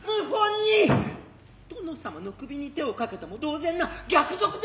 人殿様の首に手を掛けたも同然な逆賊でございますとさ。